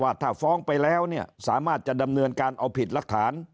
ถ้าฟ้องไปแล้วเนี่ยสามารถจะดำเนินการเอาผิดหลักฐาน